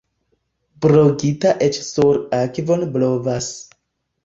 Brogita eĉ sur akvon blovas.